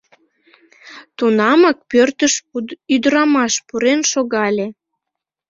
Тунамак пӧртыш ӱдырамаш пурен шогале.